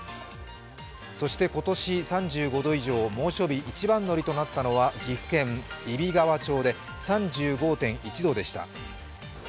そして今年３５度以上、猛暑日一番乗りとなったのは、岐阜県揖斐川町で３５．１度でした。